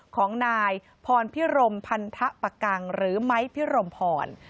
ของนายพรพิรมพันธปะกังหรือไม้พิรมพร